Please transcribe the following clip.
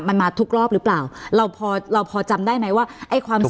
มันมาทุกรอบหรือเปล่าเราพอเราพอจำได้ไหมว่าไอ้ความ